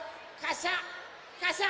カシャ！